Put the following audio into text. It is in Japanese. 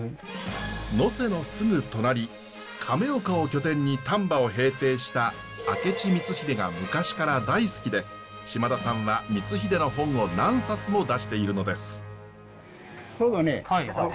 能勢のすぐ隣亀岡を拠点に丹波を平定した明智光秀が昔から大好きで島田さんは光秀の本を何冊も出しているのです。